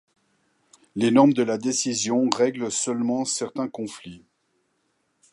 Les normes de la décision règlent seulement certains conflits.